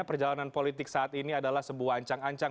perjalanan politik saat ini adalah sebuah ancang ancang